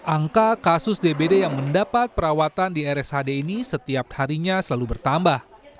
angka kasus dbd yang mendapat perawatan di rshd ini setiap harinya selalu bertambah